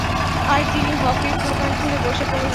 আর তিনি হকির দোকান খুলে বসে পরলেন।